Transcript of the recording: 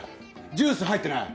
ジュース入ってない！